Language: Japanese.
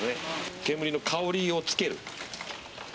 煙の香りをつける。